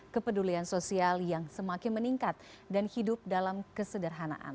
kepedulian sosial yang semakin meningkat dan hidup dalam kesederhanaan